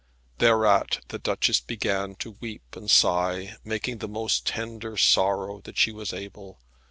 Thereat the Duchess began to weep and sigh, making the most tender sorrow that she was able.